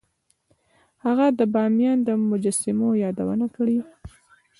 هغه د بامیان د مجسمو یادونه کړې